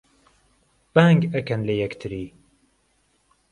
بانگ ئەکەن لە یەکتری